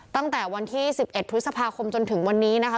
ตั้งแต่วันที่๑๑พฤษภาคมจนถึงวันนี้นะคะ